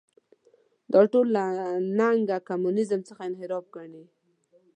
دا ټول له نګه کمونیزم څخه انحراف ګڼي.